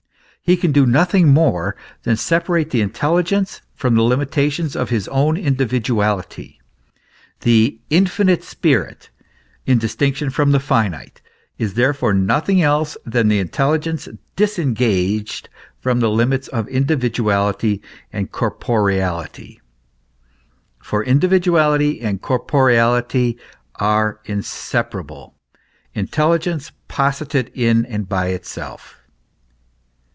He can do nothing more than separate the in telligence from the limitations of his own individuality. The "infinite spirit," in distinction from the finite, is therefore nothing else than the intelligence disengaged from the limits of individuality and corporeality, for individuality and cor poreality are inseparable, intelligence posited in and by itself.